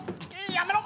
やめろ！